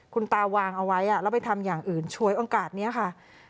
คุณตาวางเอาไว้แล้วไปทำอย่างอื่นฉวยโอกาสนี้ค่ะ